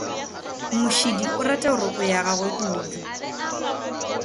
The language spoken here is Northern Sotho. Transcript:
Mošidi o rata roko ya gagwe kudu.